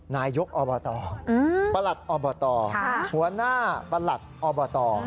นายกอบตประหลัดอบตหัวหน้าประหลัดอบต